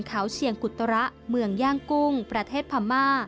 เขาเชียงกุตระเมืองย่างกุ้งประเทศพม่า